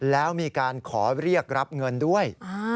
แล้วมีการขอเรียกรับเงินด้วย